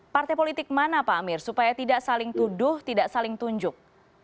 partai politik mana pak amir supaya tidak saling tuduh tidak saling tunjuk